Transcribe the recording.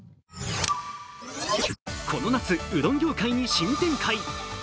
この夏、うどん業界に新展開。